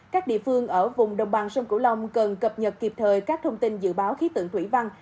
các địa phương ở vùng đồng bằng sông cửu long cần cập nhật kịp thời các thông tin dự báo khí tượng thủy văn